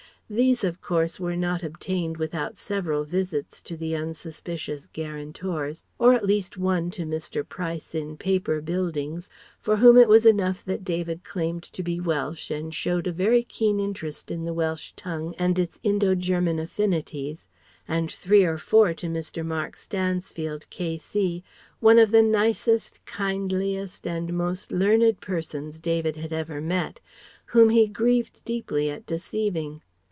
These of course were not obtained without several visits to the unsuspicious guarantors; or at least one to Mr. Price in Paper Buildings, for whom it was enough that David claimed to be Welsh and showed a very keen interest in the Welsh tongue and its Indo German affinities, and three or four to Mr. Mark Stansfield, K.C., one of the nicest, kindliest and most learned persons David had ever met, whom he grieved deeply at deceiving.